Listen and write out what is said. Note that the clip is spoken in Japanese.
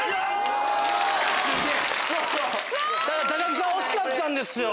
木さん惜しかったんですよ！